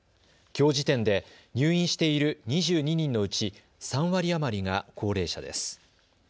きょう時点で入院している２２人のうち、３割余りが高齢者です。